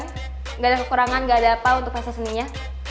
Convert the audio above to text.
tidak ada kekurangan gak ada apa untuk fase seninya